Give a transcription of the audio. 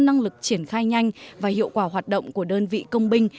năng lực triển khai nhanh và hiệu quả hoạt động của đơn vị công binh